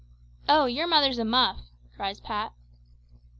"Oh, your mother's a muff!" cries Pat.